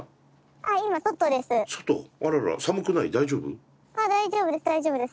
ああ大丈夫です